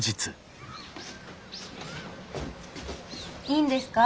いいんですか？